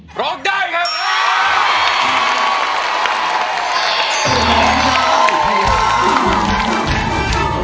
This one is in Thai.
เพลงที่๒แนะครับมูลค่า๒๐๐๐๐บาท